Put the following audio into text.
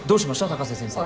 高瀬先生。